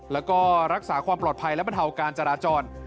แล้วก็รักษาความปลอดภัยและบรรเทาการจราจร